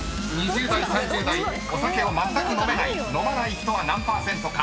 ［２０代３０代お酒をまったく飲めない飲まない人は何％か］